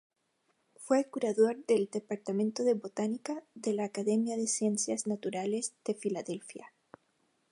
Fue curador del Departamento de Botánica de la Academia de Ciencias Naturales de Filadelfia.